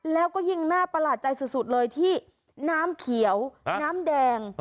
แล้วก็ยิ่งน่าประหลาดใจสุดเลยที่น้ำเขียวน้ำแดง